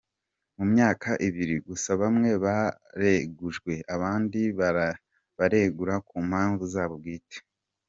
Mu myaka ibiri gusa bamwe baregujwe, abandi baregura ku mpamvu zabo bwite.